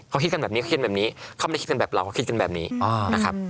เค้าไม่ได้คิดแบบแล้วก็คิดแบบนี้นะครับ